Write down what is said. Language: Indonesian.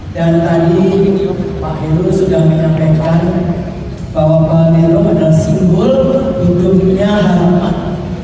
dan tadi pak heru sudah menyampaikan bahwa pak merom adalah simbol hidupnya harapan